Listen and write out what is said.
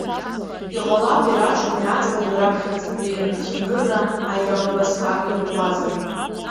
Иҟалап, иара аҷкәыни аӡӷаби раԥхьаӡатәи рцәанырра аира убасҟак иӷәӷәазар.